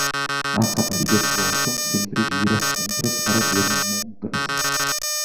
As raparigas gostam sempre de ir às compras para ver montras.